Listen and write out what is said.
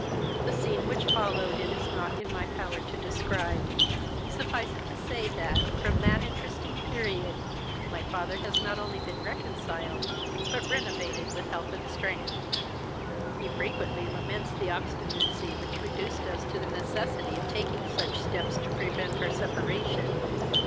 The scene which followed it is not in my power to describe. Suffice it to say, that, from that interesting period, my father has not only been reconciled, but renovated with health and strength. He frequently laments the obstinacy which reduced us to the necessity of taking such steps to prevent our separation.